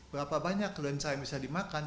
berapa banyak lensa yang bisa dimakan